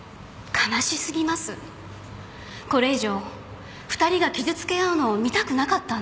これ以上２人が傷つけ合うのを見たくなかったんです。